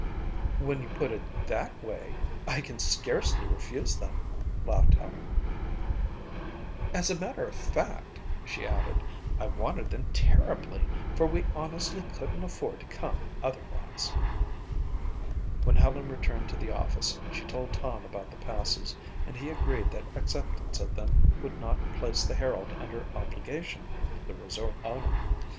"When you put it that way, I can scarcely refuse them," laughed Helen. "As a matter of fact," she added, "I wanted them terribly for we honestly couldn't afford to come otherwise." When Helen returned to the office she told Tom about the passes and he agreed that acceptance of them would not place the Herald under obligation to the resort owner.